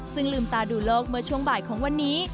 ซึ่งลืมตาดูโลกเมื่อช่วงบ่ายของวันนี้